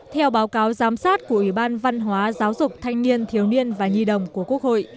theo báo cáo giám sát của ủy ban văn hóa giáo dục thanh niên thiếu niên và nhi đồng của quốc hội